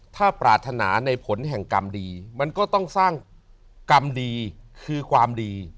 ถ้าปรารถนาในผลแห่งกรรมดีมันก็ต้องสร้างกรรมดีคือความดี